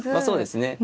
そうですね